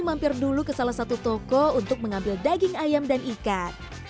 mampir dulu ke salah satu toko untuk mengambil daging ayam dan ikan